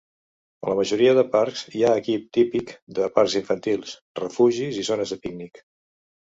A la majoria de parcs hi ha equip típic de parc infantils, refugis i zones de pícnic.